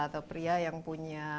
atau pria yang punya